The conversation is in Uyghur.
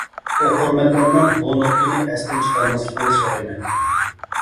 ئوقۇرمەنلەرنىڭ بۇ نۇقتىنى ئەستىن چىقارماسلىقىنى سورايمەن.